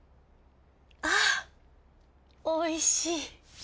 あおいしい。